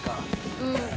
うん。